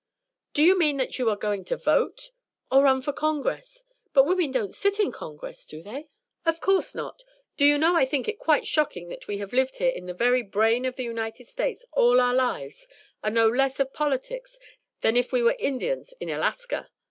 "Do you mean that you are going to vote? or run for Congress? but women don't sit in Congress, do they?" "Of course not. Do you know I think it quite shocking that we have lived here in the very brain of the United States all our lives and know less of politics than if we were Indians in Alaska?